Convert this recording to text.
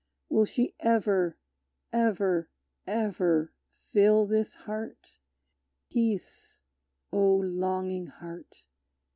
Will she ever, ever, ever fill this heart? Peace, O longing heart!